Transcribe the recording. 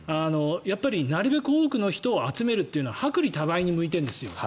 なるべく多くの人を集めるのは薄利多売に向いてるんですよ。